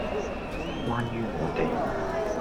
關於我地